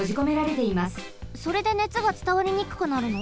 それで熱がつたわりにくくなるの？